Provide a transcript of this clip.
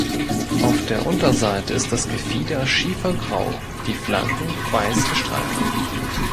Auf der Unterseite ist das Gefieder schiefergrau, die Flanken weiß gestreift.